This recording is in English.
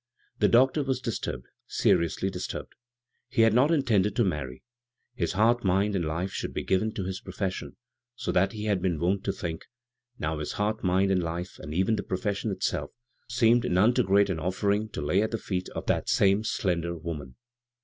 The doctor was disturbed — seriously dis turbed. He had not intended to marry. His heart, mind, and life should be given to his profession, so he had been wont to think ; now his heart, mind, and life, and even the profession itself, seemed none too great an offering to lay at the feet of that same slender woman.